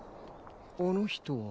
あの人は。